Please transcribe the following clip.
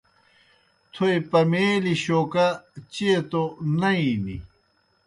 تھوئے پمَیلیْ شوکا چیئے توْ نئی نیْ۔